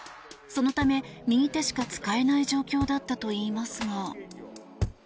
そのため、右手しか使えない状況だったといいますが。